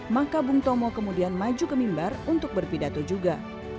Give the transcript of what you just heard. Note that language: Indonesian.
maka bung tomo kemudian maju ke mimbar untuk berpidato juga